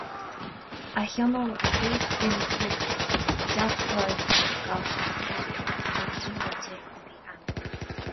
A thionóil a gcéad chruinniú poiblí i dteach tábhairne ar an gCaiseal in Acaill ar an naoú lá déag de mhí Eanáir.